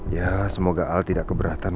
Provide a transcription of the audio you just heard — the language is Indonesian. ya semoga al tidak keberatan